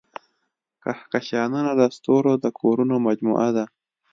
کهکشانونه د ستورو د کورونو مجموعه ده.